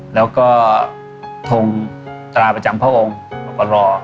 แล้วก็ทงตราประจำพระองค์รอ